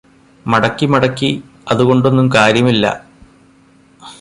മടക്കി മടക്കി അതുകൊണ്ടൊന്നും കാര്യമില്ലാ